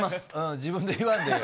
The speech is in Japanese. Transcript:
自分で言わんでええよ。